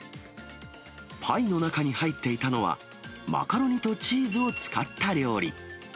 パイの中に入っていたのは、マカロニとチーズを使った料理。